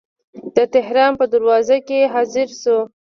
د تهران په دروازه کې حاضر شو.